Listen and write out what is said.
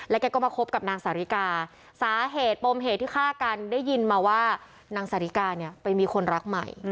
แกก็มาคบกับนางสาธิกาสาเหตุปมเหตุที่ฆ่ากันได้ยินมาว่านางสาธิกาเนี่ยไปมีคนรักใหม่